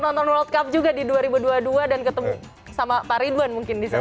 nonton world cup juga di dua ribu dua puluh dua dan ketemu sama pak ridwan mungkin di sini